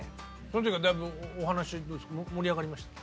その時はだいぶお話盛り上がりました？